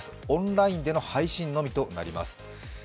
オンラインでの配信のみとなります。